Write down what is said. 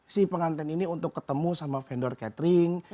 si penganten ini untuk ketemu sama vendor catering